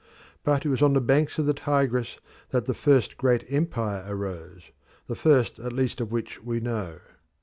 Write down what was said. But it was on the banks of the Tigris that the first great empire arose the first at least of which we know.